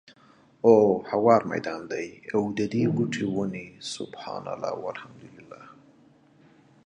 او هوار ميدان دی، او ددي بوټي وني سُبْحَانَ اللهِ، وَالْحَمْدُ للهِ